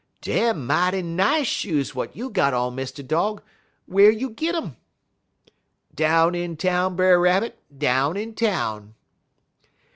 Dem mighty nice shoes w'at you got on, Mr. Dog; whar you git um?' "'Down in town, Brer Rabbit, down in town.'